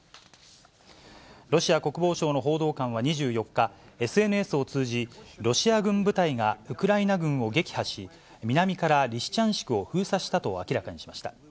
ロシア国防省の報道官は２４日、ＳＮＳを通じ、ロシア軍部隊がウクライナ軍を撃破し、南からリシチャンシクを封鎖したと明らかにしました。